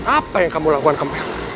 apa yang kamu lakukan ke mel